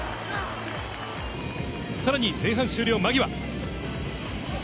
さらに前半終了間際。